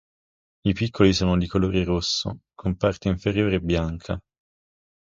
I piccoli sono di colore rosso, con parte inferiore bianca.